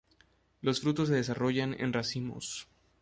Los frutos se desarrollan en racimos.